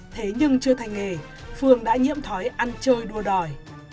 thế nhưng chưa thành nghề phương đã nhiễm thói ăn chơi đua đòi